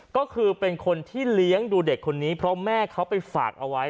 ก็คือเป็นคนที่เลี้ยงดูเด็กคนนี้เพราะแม่เขาไปฝากเอาไว้